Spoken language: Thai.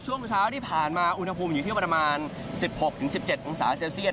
ช่วงเช้าที่ผ่านมาอุณหภูมิอยู่ที่ประมาณ๑๖๑๗องศาเซลเซียต